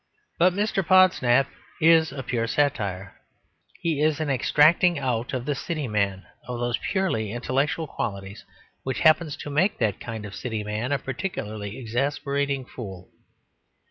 But Mr. Podsnap is a pure satire; he is an extracting out of the City man of those purely intellectual qualities which happen to make that kind of City man a particularly exasperating fool.